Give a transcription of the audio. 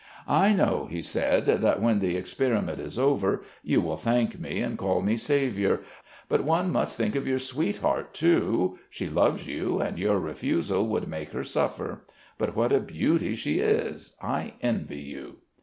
"'I know,' he said, 'that when the experiment is over you will thank me and call me saviour, but one must think of your sweetheart too. She loves you, and your refusal would make her suffer. But what a beauty she is 'I envy you.'